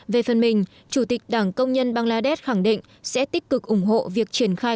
về phần mình chủ tịch đảng công nhân bangladesh khẳng định sẽ tích cực ủng hộ việc triển khai